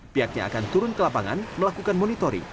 pihaknya akan turun ke lapangan melakukan monitoring